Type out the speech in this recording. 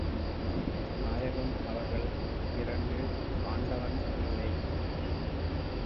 நாயகம் அவர்கள், இரண்டு ஆண்டவன் இல்லை.